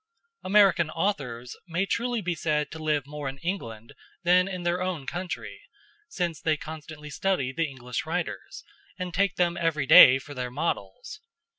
American authors may truly be said to live more in England than in their own country; since they constantly study the English writers, and take them every day for their models.